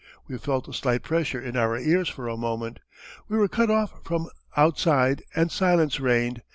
We felt a slight pressure in our ears for a moment. We were cut off from outside and silence reigned.